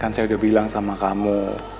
kan saya udah bilang sama kamu